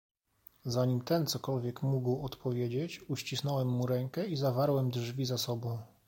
"Zanim ten cokolwiek mógł odpowiedzieć, uścisnąłem mu rękę i zawarłem drzwi za sobą."